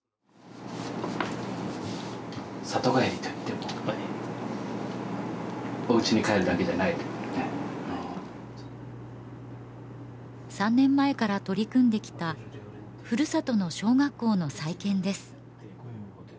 里帰りといってもおうちに帰るだけじゃないね３年前から取り組んできたふるさとの小学校の再建です